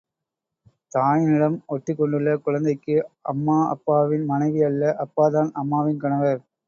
தாயினிடம் ஒட்டிக் கொண்டுள்ள குழந்தைக்கு அம்மா, அப்பாவின் மனைவி அல்ல அப்பாதான் அம்மாவின் கணவர்.